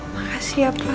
makasih ya pak